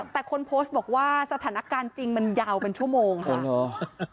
แต่คนโพสต์บอกว่าสถานการณ์จริงมันยาวเป็นชั่วโมงค่ะ